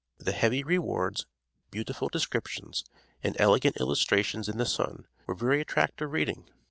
The heavy rewards, beautiful descriptions, and elegant illustrations in the "Sun," were very attractive reading.